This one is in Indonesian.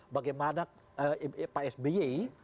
bagaimana pak sby